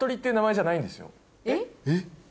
えっ？